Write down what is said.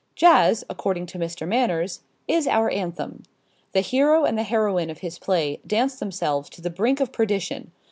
Jazz, according to Mr. Manners, is our anthem. The hero and the heroine of his play dance themselves to the brink of perdition.